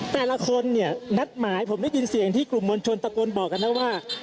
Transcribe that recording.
แต่ละคนเนี่ยนัดหมายผมได้ยินเสียงที่กลุ่มมวลชนตะโกนบอกกันนะว่า